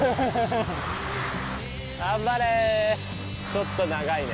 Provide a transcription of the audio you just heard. ちょっと長いね。